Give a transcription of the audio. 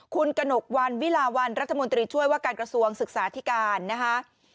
คุณกระหนกวันวิลาวันรัฐมนตรีช่วยว่าการกระทรวงศึกษาธิการนะคะ